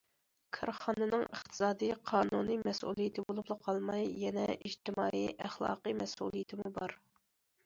كارخانىنىڭ ئىقتىسادىي، قانۇنىي مەسئۇلىيىتى بولۇپلا قالماي، يەنە ئىجتىمائىي، ئەخلاقىي مەسئۇلىيىتىمۇ بار.